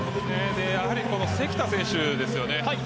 やはり関田選手ですよね。